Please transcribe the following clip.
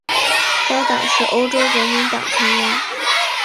该党是欧洲人民党成员。